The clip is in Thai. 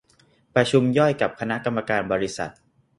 ประชุมย่อยกับคณะกรรมการบริษัท